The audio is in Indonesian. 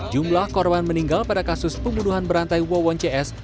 jumlah korban meninggal pada kasus pembunuhan berantai wawon cs